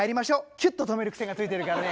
キュッと止めるくせがついてるからね